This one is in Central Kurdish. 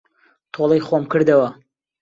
تۆڵەی خۆم کردەوە.